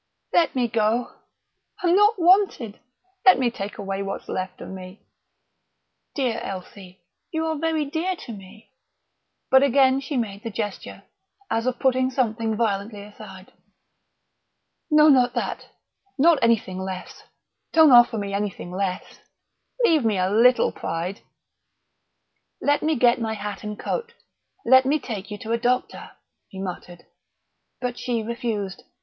"Let me go I'm not wanted let me take away what's left of me " "Dear Elsie you are very dear to me " But again she made the gesture, as of putting something violently aside. "No, not that not anything less don't offer me anything less leave me a little pride " "Let me get my hat and coat let me take you to a doctor," he muttered. But she refused.